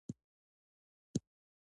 بيا دې هغه په خپله ژبه ولیکي.